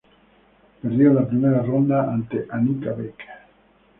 Perdió en la primera ronda ante Annika Beck.